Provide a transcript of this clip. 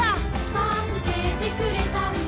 「たすけてくれたんだ」